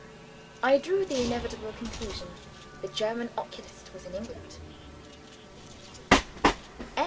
I drew the inevitable conclusion. The German oculist was in England!